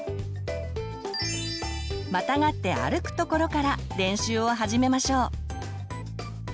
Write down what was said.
またがって歩くところから練習を始めましょう。